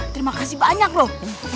terima kasih banyak loh